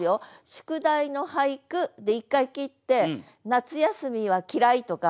「宿題の俳句」で一回切って「夏休みは嫌い」とか。